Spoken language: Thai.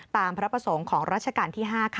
พระประสงค์ของรัชกาลที่๕ค่ะ